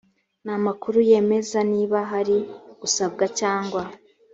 n amakuru yemeza niba hari gusabwa cyangwa